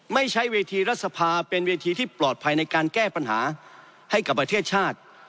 ใช้เวทีรัฐสภาเป็นเวทีที่ปลอดภัยในการแก้ปัญหาให้กับประเทศชาติ